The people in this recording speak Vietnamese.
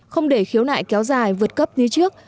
không để khiếu nại kéo dài vượt cấp như trước